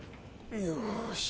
よし。